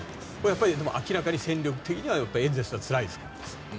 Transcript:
明らかに戦力的にはエンゼルスはつらいですか？